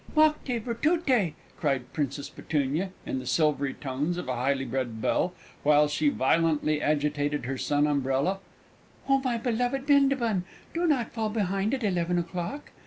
"Macte virtute!" cried Princess Petunia, in the silvery tones of a highly bred bell, while she violently agitated her sun umbrella: "O my beloved Bindabun, do not fall behind at eleven o'clock!"